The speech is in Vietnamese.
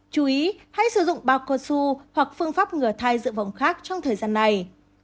chú ý hãy sử dụng bao cơ su hoặc phương pháp ngừa thai dựa vòng khác trong thời gian này